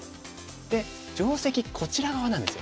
で定石こちら側なんですよ。